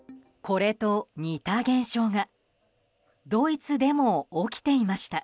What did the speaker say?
これと似た現象がドイツでも起きていました。